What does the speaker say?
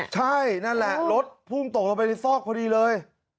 ใช่นั่นแหละรถพุ่งตกลงไปในซอกพอดีเลย